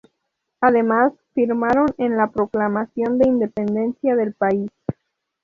Además firmaron en la proclamación de independencia del país.